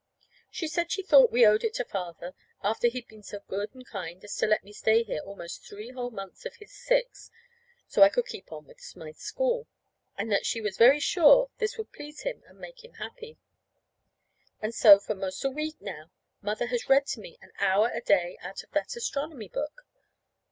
She said she thought we owed it to Father, after he'd been so good and kind as to let me stay here almost three whole months of his six, so I could keep on with my school. And that she was very sure this would please him and make him happy. And so, for 'most a week now, Mother has read to me an hour a day out of that astronomy book.